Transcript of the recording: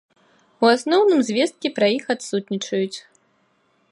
У асноўным звесткі пра іх адсутнічаюць.